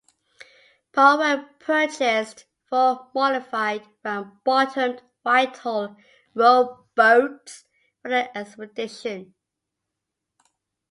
Powell purchased four modified, round-bottomed Whitehall rowboats for the expedition.